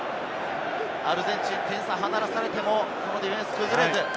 アルゼンチンは点差が離されてもディフェンス崩れず。